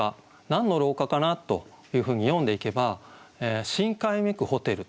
何の廊下かなというふうに読んでいけば「深海めくホテル」